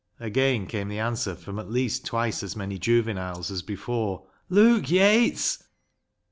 Again came the answer from at least twice as many juveniles as before —" Luke Yates."